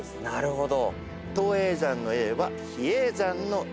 なるほど！